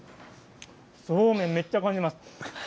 そうめん、めっちゃ感じます。